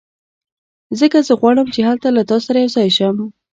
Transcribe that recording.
ځکه زه غواړم چې هلته له تا سره یو ځای شم